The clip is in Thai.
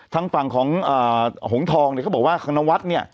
ทางฝั่งของเอ่อหงทองเนี้ยเขาบอกว่าคือนวัดเนี้ย